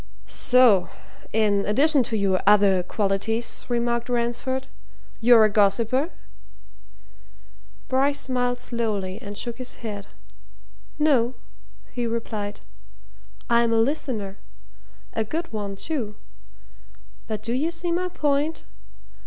"So in addition to your other qualities," remarked Ransford, "you're a gossiper?" Bryce smiled slowly and shook his head. "No," he replied. "I'm a listener. A good one, too. But do you see my point?